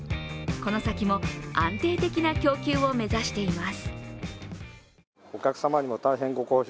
この先も安定的な供給を目指しています。